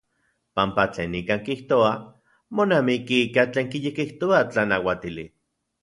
Panpa tlen nikan kijtoa monamiki ika tlen kiyekijtoa tlanauatili.